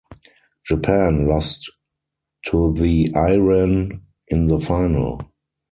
Japan lost to the Iran in the final.